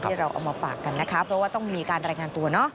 เราเอามาฝากกันนะคะเพราะว่าต้องมีการรายงานตัวเนาะ